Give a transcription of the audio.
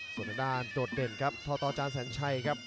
ส่วนด้านด้านโดดเด่นครับทจสัญชัยครับ